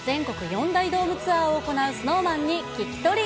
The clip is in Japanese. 来週から全国４大ドームツアーを行うＳｎｏｗＭａｎに聞き取り。